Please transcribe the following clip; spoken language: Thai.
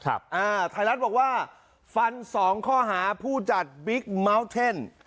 ไทยรัฐบอกว่าฟันสองข้อหาผู้จัดบิ๊กเมาส์เทน